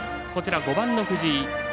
５番の藤井。